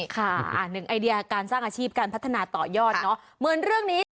ค่ะอันนึงไอเดียการสร้างอาชีพการพัฒนาต่อยอดเนาะ